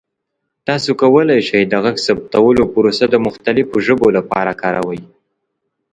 تاسو کولی شئ د غږ ثبتولو پروسه د مختلفو ژبو لپاره کاروئ.